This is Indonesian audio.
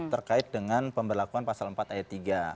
terkait dengan pemberlakuan pasal empat ayat tiga